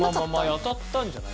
当たったんじゃない？